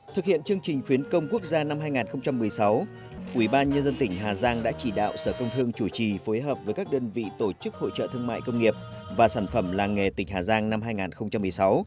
thực hiện chương trình khuyến công quốc gia năm hai nghìn một mươi sáu ubnd tỉnh hà giang đã chỉ đạo sở công thương chủ trì phối hợp với các đơn vị tổ chức hội trợ thương mại công nghiệp và sản phẩm làng nghề tỉnh hà giang năm hai nghìn một mươi sáu